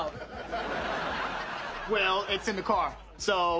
そう。